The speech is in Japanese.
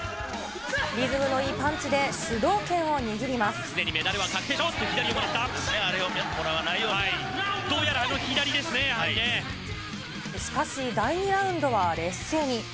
リズムのいいパンチで主導権メダルは確定、どうやらあのしかし、第２ラウンドは劣勢に。